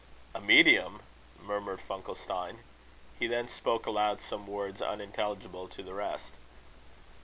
"A medium!" murmured Funkelstein. He then spoke aloud some words unintelligible to the rest.